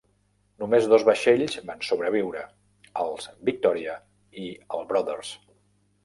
Només dos vaixells van sobreviure, els "Victoria" i el "Brothers".